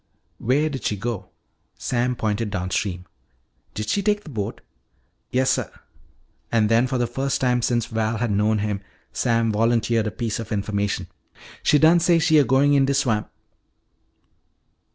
"Where did she go?" Sam pointed downstream. "Did she take the boat?" "Yessuh." And then for the first time since Val had known him Sam volunteered a piece of information. "She done say she a goin' in de swamp."